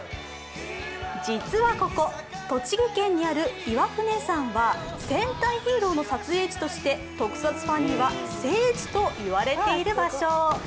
実はここ、栃木県にある岩船山は戦隊ヒーローの撮影地として特撮ファンには聖地といわれている場所。